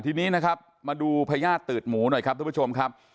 ทีนี้นะครับมาดูพญาติตืดหมูหน่อยครับทุกผู้ชมครับ